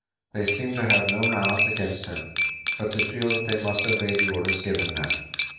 They seemed to have no malice against him, but to feel that they must obey the orders given them.